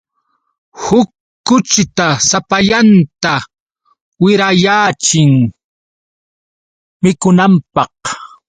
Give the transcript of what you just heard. Huk kuchita sapallanta wirayaachin mikunanpaq.